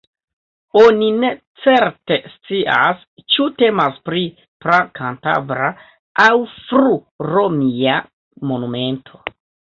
Oni ne certe scias, ĉu temas pri pra-kantabra aŭ fru-romia monumento.